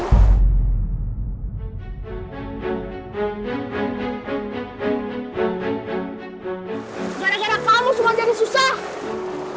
gara gara palu semua jadi susah